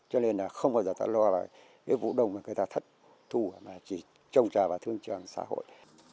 cho nên là không bao giờ ta lo là cái vụ đồng người ta thất thù mà chỉ trông trà và thương tràng xã hội